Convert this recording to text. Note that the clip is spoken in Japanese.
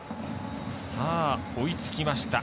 追いつきました。